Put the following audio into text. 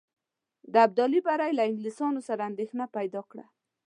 د ابدالي بری له انګلیسیانو سره اندېښنه پیدا کړه.